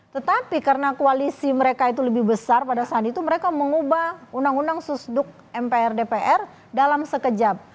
tetapi karena koalisi mereka itu lebih besar pada saat itu mereka mengubah undang undang susduk mpr dpr dalam sekejap